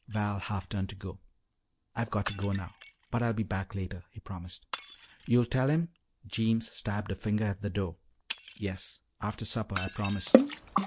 Val half turned to go. "I've got to go now. But I'll be back later," he promised. "Yo'll tell him?" Jeems stabbed a finger at the door. "Yes; after supper. I promise."